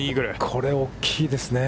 これは大きいですね。